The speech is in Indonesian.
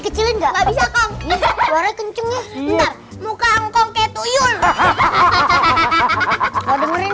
kecil enggak bisa kong warai kencengnya muka angkong ketuyun hahaha dengerin